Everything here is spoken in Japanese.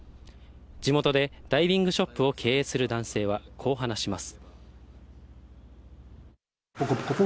地元でダイビングショップを経営する男性はこう話します。